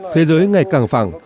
thế giới ngày càng phẳng